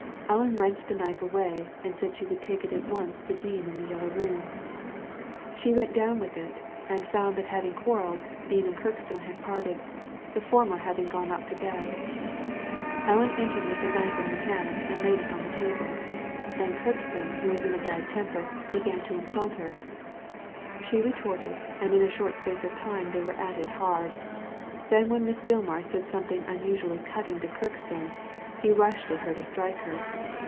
Ellen wrenched the knife away, and said she would take it at once to Dean in the Yellow Room. She went down T Digitized by Google 274 THE LADY FROM NOWHERE with it, and found that having quarrelled, Dean and Kirkstone had parted, the former having gone up to bed Ellen entered with the knife in her hand, and laid it on the table. Then Kirkstone, who was in a bad temper, began to insult her. She retorted, and in a short space of time they were at it hard/ Then when Miss Gilmar said something unusually cutting to Kirkstone, he rushed at her to strike her.